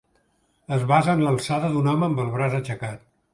Es basa en l'alçada d'un home amb el braç aixecat.